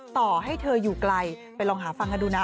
ต่อให้เธออยู่ไกลไปลองหาฟังกันดูนะ